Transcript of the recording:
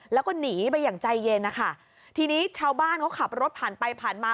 แล้วก็หนีไปอย่างใจเย็นนะคะทีนี้ชาวบ้านเขาขับรถผ่านไปผ่านมา